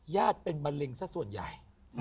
เป็นมะเร็งสักส่วนใหญ่